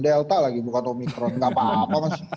delta lagi bukan omikron gapapa mas